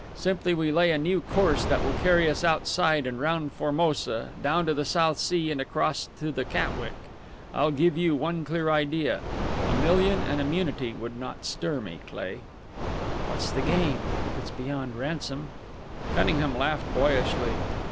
Simply we lay a new course that will carry us outside and round Formosa, down to the South Sea and across to the Catwick. I'll give you one clear idea. A million and immunity would not stir me, Cleigh." "What's the game if it's beyond ransom?" Cunningham laughed boyishly.